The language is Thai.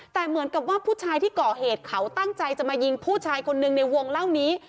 แต่เหมือนกับว่าผู้ชายที่ก่อเหตุเขาตั้งใจจะมายิงผู้ชายคนหนึ่งในวงเล่านี้